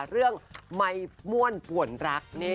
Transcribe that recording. เรื่องไม่ม่วนป่วนรัก